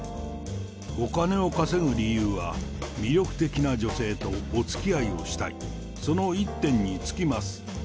お金を稼ぐ理由は、魅力的な女性とおつきあいをしたい、その一点に尽きます。